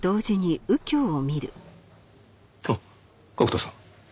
あっ角田さん。